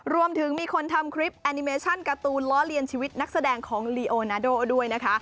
รวมถึงมีคนทำคลิปแอนิเมชั่นการ์ตูนล้อเลียนชีวิตนักแสดงของลีโอนาโดด้วยนะคะ